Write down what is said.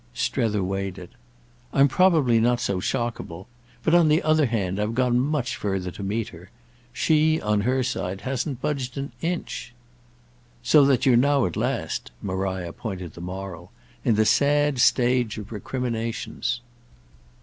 Strether weighed it. "I'm probably not so shockable. But on the other hand I've gone much further to meet her. She, on her side, hasn't budged an inch." "So that you're now at last"—Maria pointed the moral—"in the sad stage of recriminations."